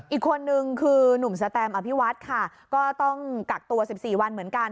อีกคนนึงคือหนุ่มสแตมอภิวัฒน์ค่ะก็ต้องกักตัว๑๔วันเหมือนกัน